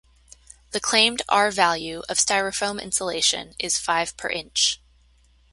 The claimed R-value of Styrofoam insulation is five per inch.